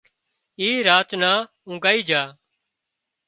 اي راچ نان اونگھائي جھا